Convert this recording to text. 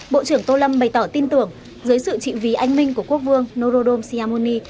bộ trưởng tô lâm bày tỏ tin tưởng dưới sự trị vì anh minh của quốc vương norodom siamoni